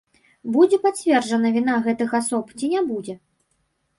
Будзе пацверджана віна гэтых асоб ці не будзе.